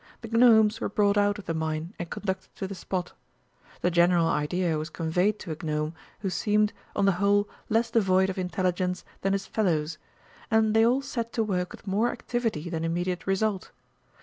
The Gnomes were brought out of the mine and conducted to the spot. The general idea was conveyed to a Gnome who seemed, on the whole, less devoid of intelligence than his fellows, and they all set to work with more activity than immediate result.